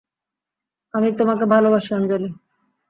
আমি তোমাকে ভালবাসি আঞ্জলি।